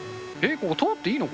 ここ通っていいの？